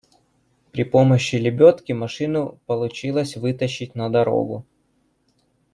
При помощи лебедки машину получилось вытащить на дорогу.